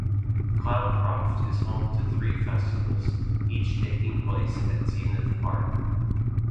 Cloudcroft is home to three festivals, each taking place at Zenith Park.